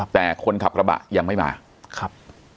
แต่คนขับกระบะยังไม่มาครับ